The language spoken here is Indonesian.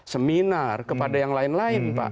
seminar kepada yang lain lain pak